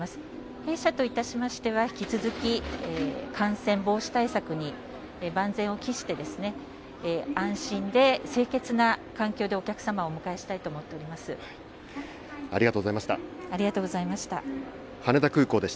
弊社といたしましては、引き続き感染防止対策に万全を期して、安心で清潔な環境でお客様をお迎えしたいと思っております。